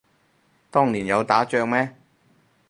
當年有打仗咩